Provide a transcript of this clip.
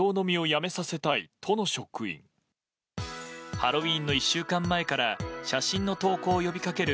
ハロウィーンの１週間前から写真の投稿を呼びかける